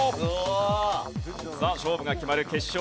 さあ勝負が決まる決勝